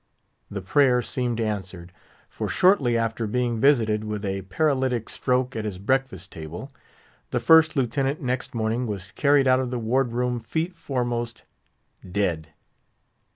The prayer seemed answered: for shortly after being visited with a paralytic stroke at his breakfast table, the First Lieutenant next morning was carried out of the ward room feet foremost, dead.